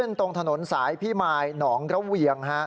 ตรงถนนสายพี่มายหนองระเวียง